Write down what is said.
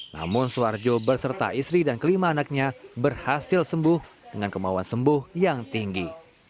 namun suharjo berserta istri dan kelima anaknya berhasil sembuh dengan kemauan sembuh yang tinggi